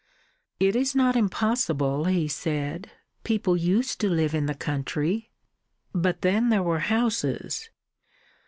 "It is not impossible," he said. "People used to live in the country." "But then there were houses."